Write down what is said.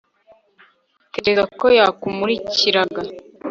tekereza ko yakumurikiraga